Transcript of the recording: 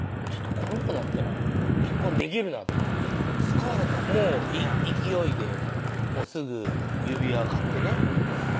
この子だったら結婚できるなと思って救われたよねなんかね勢いですぐ指輪買ってねへぇ